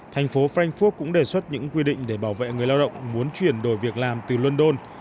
thành phố frankfurt cũng đề xuất những quy định để bảo vệ người lao động muốn chuyển đổi việc làm từ london